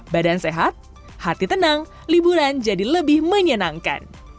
badan sehat hati tenang liburan jadi lebih menyenangkan